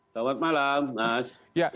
selamat malam mas